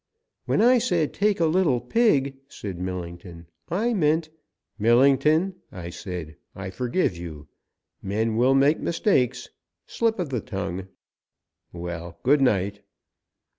"When I said 'take a little pig,'" said Millington, "I meant " "Millington," I said, "I forgive you! Men will make mistakes slip of the tongue Well, good night!"